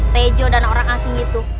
tejo dan orang asing itu